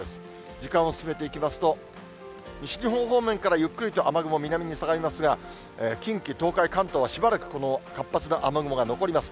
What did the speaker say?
時間を進めていきますと、西日本方面からゆっくりと雨雲、南に下がりますが、近畿、東海、関東は、しばらくこの活発な雨雲が残ります。